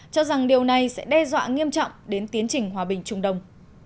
cho rằng điều này sẽ đe dọa nghiêm trọng đến tiến trình hòa bình trung đông